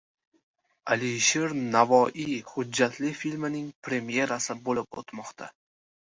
“Alisher Navoiy” hujjatli filmining premyerasi bo‘lib o‘tmoqda